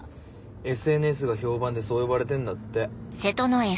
ＳＮＳが評判でそう呼ばれてんだって。